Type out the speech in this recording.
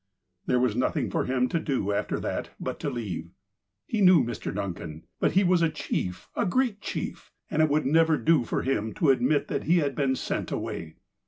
There was nothing for him to do after that but to leave. He knew Mr. Duncan. But he was a chief, a great chief, and it would never do for him to admit that he had been sent away.